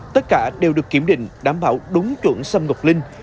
tất cả đều được kiểm định đảm bảo đúng chuẩn sâm ngọc linh